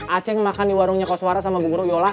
aceh makan di warungnya koswara sama bu guru yola